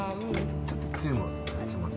ちょっとつゆも。